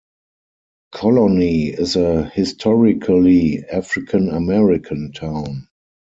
Colony is a historically African-American town.